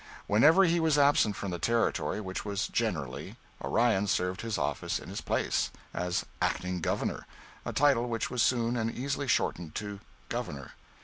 Whenever he was absent from the Territory which was generally Orion served his office in his place, as Acting Governor, a title which was soon and easily shortened to "Governor."